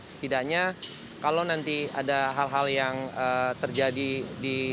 setidaknya kalau nanti ada hal hal yang terjadi di